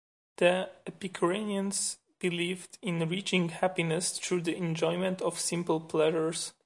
The Epicureans believed in reaching happiness through the enjoyment of simple pleasures.